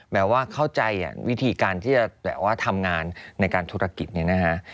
แม้ว่าเข้าใจวิธีการที่จะแบบว่าทำงานในการธุรกิจเนี่ยนะฮะ